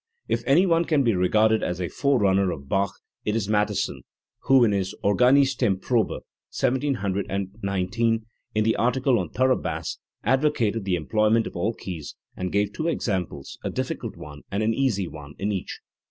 If any one can be regarded as a forerunner of Bach it is Mattheson, who, in his Organistenprobe (1719), in the article on thorough bass, advocated the employment of all keys and gave two examples, a difficult one and an easy one, in each.